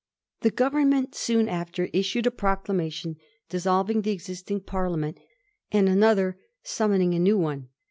The Government soon after issued a proclamation dissolving the existing Parliament, and another sum moning a new one.